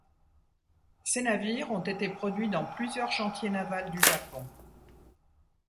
Ces navires ont été produits dans plusieurs chantiers navals du Japon.